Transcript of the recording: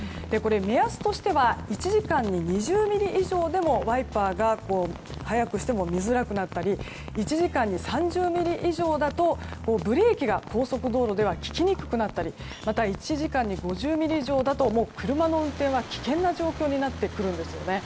目安としては１時間に２０ミリ以上でもワイパーが速くしても見づらくなったり１時間に３０ミリ以上だとブレーキが高速道路では利きにくくなったりまた１時間に５０ミリ以上だと車の運転は危険な状況になってくるんですよね。